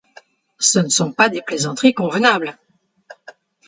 Ce ne sont pas des plaisanteries convenables.